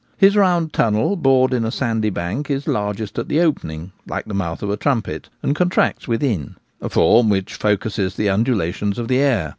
His round tunnel k. hi Ambush. 105 bored in a sandy bank is largest at the opening, like the mouth of a trumpet, and contracts within — a form which focusses the undulations of the air.